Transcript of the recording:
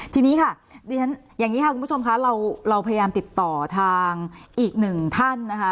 ทีนี้ค่ะอย่างนี้ค่ะคุณผู้ชมค่ะเราพยายามติดต่อทางอีกหนึ่งท่านนะคะ